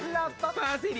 パセリ。